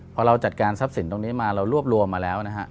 พอเราจัดการทรัพย์สินตรงนี้มาเรารวบรวมมาแล้วนะฮะ